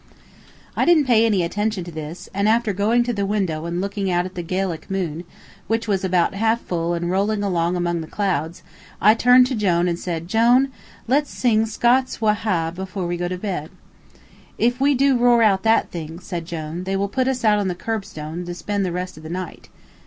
I didn't pay any attention to this, and after going to the window and looking out at the Gaelic moon, which was about half full and rolling along among the clouds, I turned to Jone and said, "Jone, let's sing 'Scots wha ha',' before we go to bed." "If we do roar out that thing," said Jone, "they will put us out on the curbstone to spend the rest of the night."